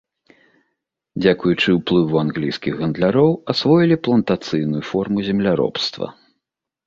Дзякуючы ўплыву англійскіх гандляроў асвоілі плантацыйную форму земляробства.